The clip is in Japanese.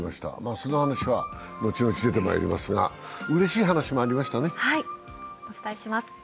その話は後々出てまいりますが、うれしい話もありましたね。